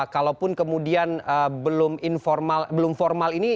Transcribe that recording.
kalaupun kemudian belum formal ini